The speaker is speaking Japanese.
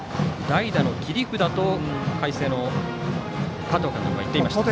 代打の切り札と海星の加藤監督は言っていました。